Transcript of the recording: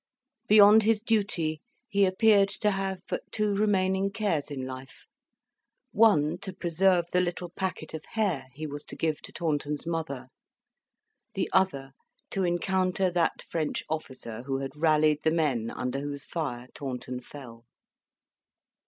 Beyond his duty he appeared to have but two remaining cares in life, one, to preserve the little packet of hair he was to give to Taunton's mother; the other, to encounter that French officer who had rallied the men under whose fire Taunton fell.